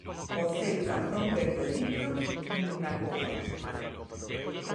O Celta non perde ripio nin na Copa.